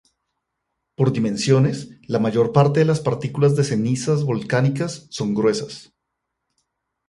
Por dimensiones, la mayor parte de las partículas de cenizas volcánicas son gruesas.